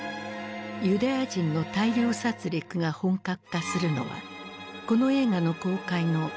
ユダヤ人の大量殺りくが本格化するのはこの映画の公開のよくとしのことだった。